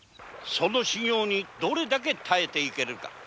その修行にどれだけ耐えていけるか？